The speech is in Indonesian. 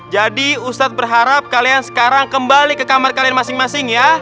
jadi ustadz berharap kalian sekarang kembali ke kamar kalian masing masing ya